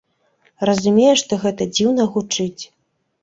Разумею, што гэта дзіўна гучыць.